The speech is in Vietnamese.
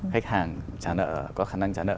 khách hàng trả nợ có khả năng trả nợ